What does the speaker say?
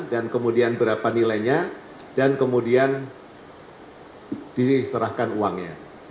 dan kemudian berapa nilainya dan kemudian diserahkan uangnya